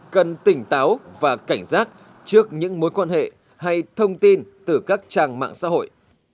cần tỉnh táo và cảnh giác trước những mối quan hệ hay thông tin từ các trang mạng xã hội